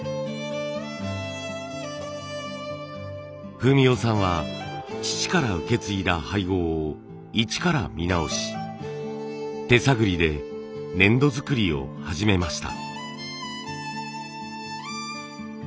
文雄さんは父から受け継いだ配合を一から見直し手探りで粘土作りを始めました。